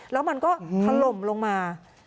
แล้วมันก็ถล่มลงมา